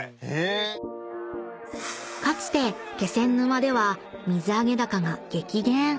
［かつて気仙沼では水揚げ高が激減］